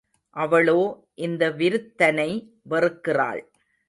அவளோ இந்த விருத்தனை வெறுக்கிறாள்.